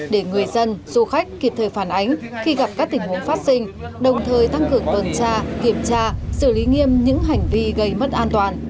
để người dân du khách kịp thời phản ánh khi gặp các tình huống phát sinh đồng thời tăng cường tuần tra kiểm tra xử lý nghiêm những hành vi gây mất an toàn